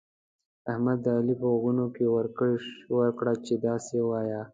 احمد د علي په غوږو کې ورکړه چې داسې ووايه.